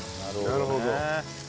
なるほど。